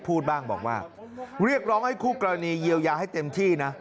พูดบ้างบอกว่าเรียกร้องให้คู่กรณีเยียวยาให้เต็มที่นะ